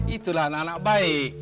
itulah anak anak baik